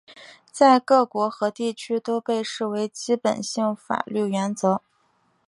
在各国和地区都被视为基本性法律原则。